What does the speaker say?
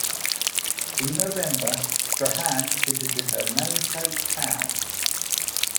In November, "Strahan" visited her namesake town.